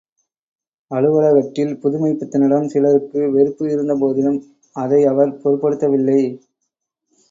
அலுவலகத்தில் புதுமைப்பித்தனிடம் சிலருக்கு வெறுப்பு இருந்தபோதிலும் அதை அவர் பொருட்படுத்தவில்லை.